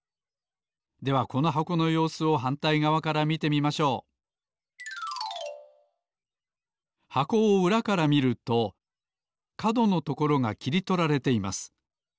ではこの箱のようすをはんたいがわから見てみましょう箱をうらから見るとかどのところがきりとられています。